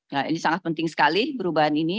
nah ini sangat penting sekali perubahan ini